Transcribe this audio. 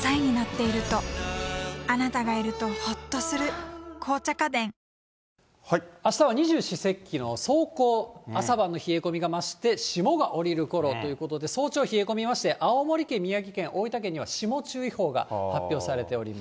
三菱電機あしたは二十四節気の霜降、朝晩の冷え込みが増して、霜が降りるころということで、早朝冷え込みまして、青森県、宮城県、大分県には霜注意報が発表されております。